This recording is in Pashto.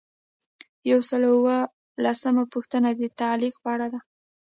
یو سل او اووه لسمه پوښتنه د تعلیق په اړه ده.